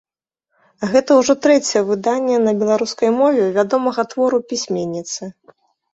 Гэта ўжо трэцяе выданне на беларускай мове вядомага твору пісьменніцы.